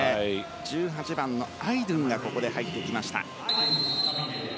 １８番のアイドゥンがここで入ってきました。